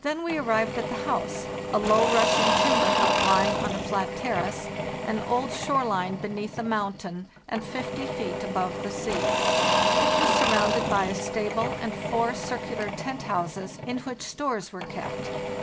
"Then we arrived at the house, a low Russian timber hut lying on a flat terrace, an old shore line beneath the mountain, and 50 feet above the sea. It was surrounded by a stable and four circular tent houses, in which stores were kept.